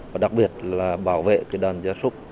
và đặc biệt là bảo vệ cái đàn gia súc